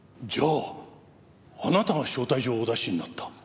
じゃああなたが招待状をお出しになった？